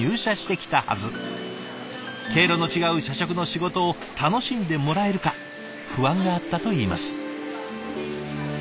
毛色の違う社食の仕事を楽しんでもらえるか不安があったといいます。